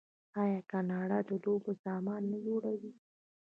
آیا کاناډا د لوبو سامان نه جوړوي؟